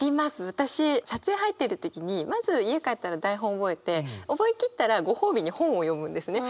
私撮影入ってる時にまず家帰ったら台本覚えて覚え切ったらご褒美に本を読むんですね。